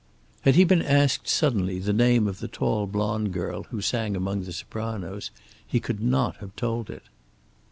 Had he been asked, suddenly, the name of the tall blonde girl who sang among the sopranos, he could not have told it.